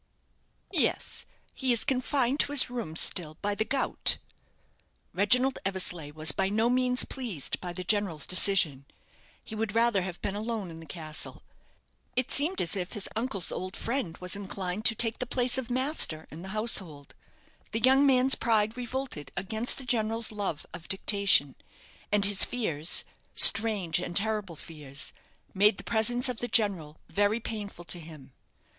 "Yes, he is confined to his rooms still by the gout." Reginald Eversleigh was by no means pleased by the general's decision. He would rather have been alone in the castle. It seemed as if his uncle's old friend was inclined to take the place of master in the household. The young man's pride revolted against the general's love of dictation; and his fears strange and terrible fears made the presence of the general very painful to him.